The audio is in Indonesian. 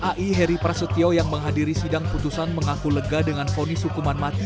ai heri prasetyo yang menghadiri sidang putusan mengaku lega dengan ponis hukuman mati